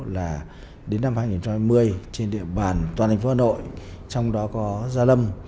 là đến năm hai nghìn hai mươi trên địa bàn toàn thành phố hà nội trong đó có gia lâm